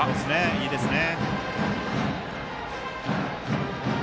いいですね。